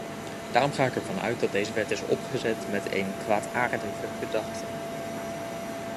Daarom ga ik er vanuit dat deze wet is opgezet met een kwaadaardige gedachte.